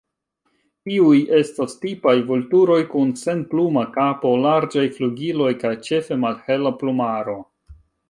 Tiuj estas tipaj vulturoj, kun senpluma kapo, larĝaj flugiloj kaj ĉefe malhela plumaro.